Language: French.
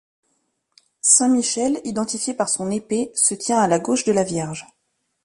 Saint Michel, identifié par son épée, se tient à la gauche de la Vierge.